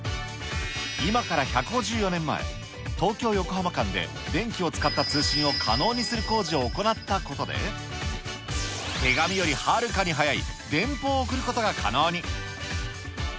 今から１５４年前、東京・横浜間で電気を使った通信を可能にする工事を行ったことで、手紙よりはるかに早い電報を送ることが可能に。